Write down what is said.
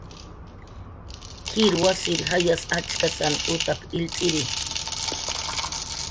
"Jir wasir jayas achkasan utap"" illt'iri"